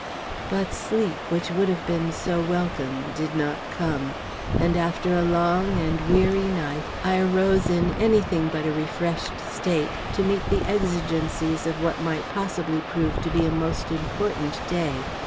But sleep, which would have been so welcome, did not come; and after a long and weary night, I arose in any thing but a refreshed state, to meet the exigencies of what might possibly prove to be a most important day.